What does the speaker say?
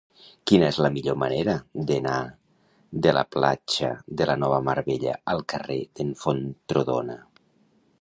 Quina és la millor manera d'anar de la platja de la Nova Mar Bella al carrer d'en Fontrodona?